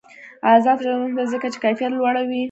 آزاد تجارت مهم دی ځکه چې کیفیت لوړوي.